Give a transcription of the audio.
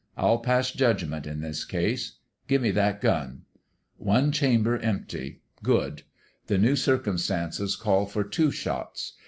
I'll pass judgment in this case. Give me that gun. ... One chamber empty. Good. The new circumstances call for two shots.